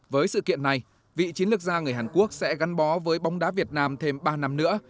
với sự kiện này vị chiến lược gia người hàn quốc sẽ gắn bó với bóng đá việt nam thêm ba năm nữa